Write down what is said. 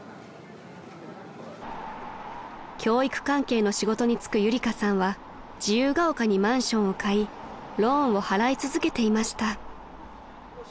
［教育関係の仕事に就くゆりかさんは自由が丘にマンションを買いローンを払い続けていました］